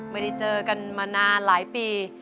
ไม่ได้เจอกันมานานหลายปี